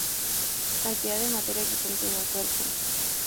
Cantidad de materia que contiene un cuerpo.